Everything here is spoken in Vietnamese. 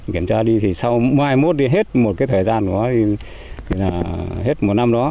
kiểm tra đi thì sau mai mốt đi hết một cái thời gian của nó thì là hết một năm đó